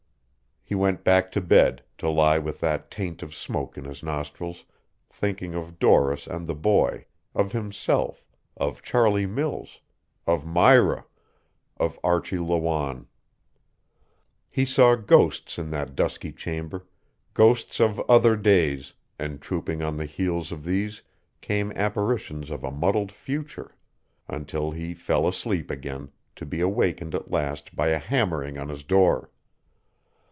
He went back to bed, to lie with that taint of smoke in his nostrils, thinking of Doris and the boy, of himself, of Charlie Mills, of Myra, of Archie Lawanne. He saw ghosts in that dusky chamber, ghosts of other days, and trooping on the heels of these came apparitions of a muddled future, until he fell asleep again, to be awakened at last by a hammering on his door.